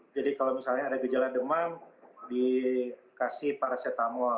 jadi kalau misalnya ada gejala demam dikasih paracetamol